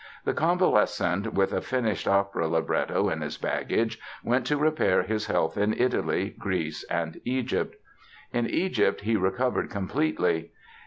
The convalescent, with a finished opera libretto in his baggage went to repair his health in Italy, Greece and Egypt. In Egypt he recovered completely.